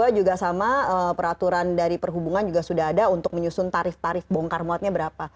dua juga sama peraturan dari perhubungan juga sudah ada untuk menyusun tarif tarif bongkar muatnya berapa